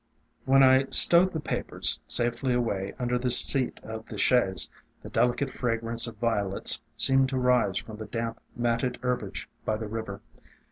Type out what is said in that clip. When I stowed the papers safely away under the seat of the chaise, the delicate fragrance of Violets seemed to rise from the damp, matted herbage by the river.